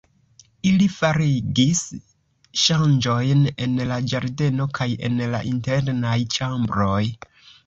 Ili farigis ŝanĝojn en la ĝardeno kaj en la internaj ĉambroj.